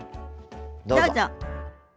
どうぞ。